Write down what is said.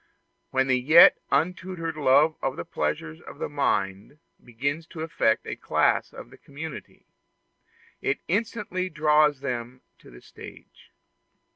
When the yet untutored love of the pleasures of the mind begins to affect a class of the community, it instantly draws them to the stage.